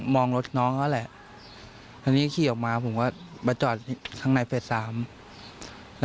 มองรถน้องเขาแหละ